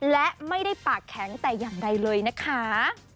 และไม่ได้ปากแข็งแต่อย่างใดเลยนะคะ